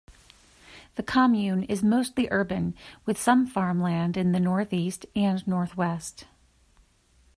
The commune is mostly urban with some farmland in the north-east and north-west.